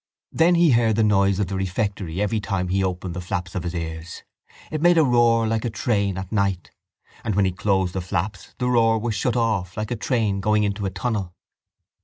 Then he heard the noise of the refectory every time he opened the flaps of his ears. It made a roar like a train at night. And when he closed the flaps the roar was shut off like a train going into a tunnel.